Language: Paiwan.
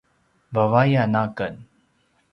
vavayan aken